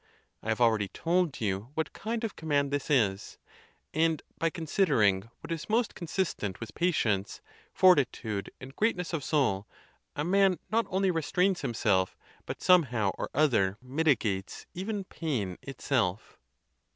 I have already told you what kind of command this is; and by considering what is most con sistent with patience, fortitude, and greatness of soul, a man not only restrains himself, but, somehow or other, mit igates even pain itself.